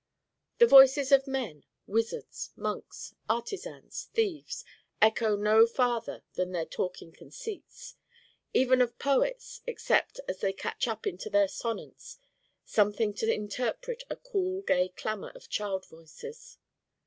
The voices of men wizards, monks, artisans, thieves echo no farther than their talking conceits: even of poets except as they catch up into their sonance something to interpret a cool gay clamor of child Voices.